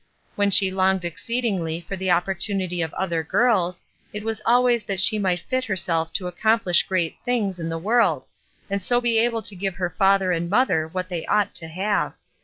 When she longed exceedingly for the opportunity of other girls, it was always that she might fit herself to accompUsh great things in the world and so be able to give to her father and mother what they ought to have.